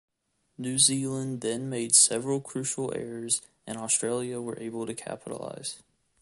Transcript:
New Zealand then made several crucial errors and Australia were able to capitalise.